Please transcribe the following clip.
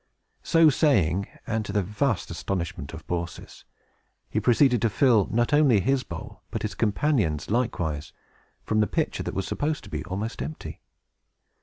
So saying, and to the vast astonishment of Baucis, he proceeded to fill, not only his own bowl, but his companion's likewise, from the pitcher, that was supposed to be almost empty.